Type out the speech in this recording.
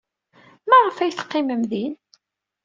Maɣef ay teqqimem din?